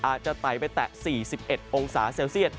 อาจจะไต่ไปแตะ๔๑องศาเซลเซียต